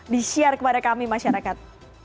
di share kepada kami masyarakat